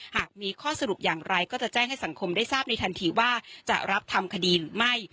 หากมีข้อสรุปอย่างไรก็จะแจ้งให้สังคมได้ทราบในทันทีว่าจะรับทำคดีหรือไม่